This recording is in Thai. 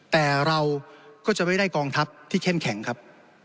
แต่เราก็จะไม่ได้กองทัพที่เข้มแข็งครับ